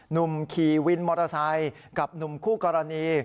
หนุ่มขี่วินมอเตอร์ไซค์กับหนุ่มคู่กรณี